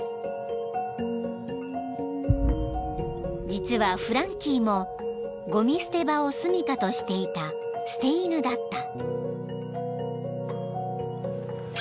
［実はフランキーもごみ捨て場をすみかとしていた捨て犬だった］